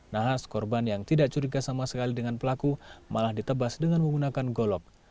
nahas korban yang tidak curiga sama sekali dengan pelaku malah ditebas dengan menggunakan golok